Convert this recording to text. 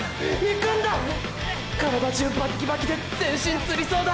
体中バッキバキで全身つりそうだ！！